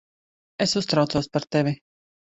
Es uztraucos par tevi.